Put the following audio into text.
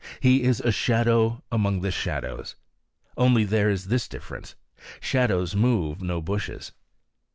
He is a shadow among the shadows. Only there is this difference: shadows move no bushes.